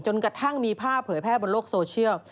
กระทั่งมีภาพเผยแพร่บนโลกโซเชียล